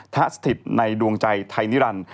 สถิตในดวงใจไทยนิรันดิ์